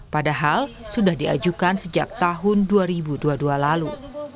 padahal sudah diajukan sejak tahun dua ribu dua puluh dua lalu